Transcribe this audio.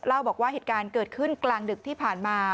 เล่าบอกว่าเหตุการณ์เกิดขึ้นกลางดึกที่ผ่านมา